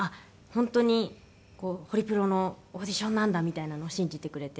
本当にホリプロのオーディションなんだみたいなのを信じてくれて。